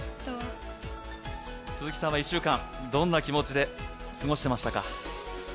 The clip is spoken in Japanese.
鈴木さんは１週間、どんな気持ちで過ごしていましたか？